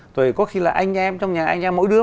rồi có khi là anh em trong nhà anh em mỗi đứa